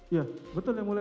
ya betul ya mulia